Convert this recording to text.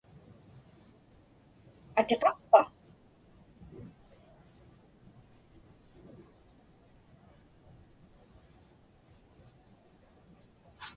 Atiqaqpa?